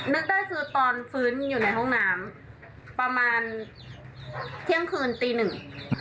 นึกได้คือตอนฟื้นอยู่ในห้องน้ำประมาณเที่ยงคืนตีหนึ่ง